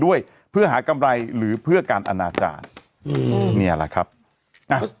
ด้วยเพื่อหากำไรหรือเพื่อการอนาจารย์อืมเนี่ยแหละครับนะ